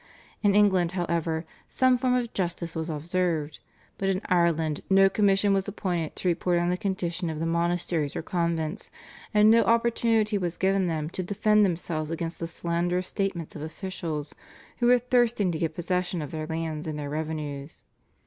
In England, however, some form of justice was observed; but in Ireland no commission was appointed to report on the condition of the monasteries or convents, and no opportunity was given them to defend themselves against the slanderous statements of officials, who were thirsting to get possession of their lands and their revenues.